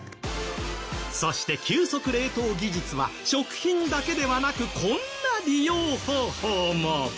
そして急速冷凍技術は食品だけではなくこんな利用方法も。